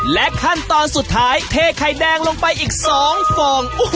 และขั้นตอนสุดท้ายเทไข่แดงลงไปอีก๒ฟอง